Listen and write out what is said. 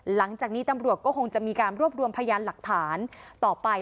หลังจากนี้ตำรวจก็คงจะมีการรวบรวมพยานหลักฐานต่อไป